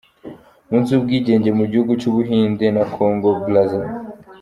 Umunsi w’ubwigenge mu gihugu cy’ubuhinde na Kongo Brazza.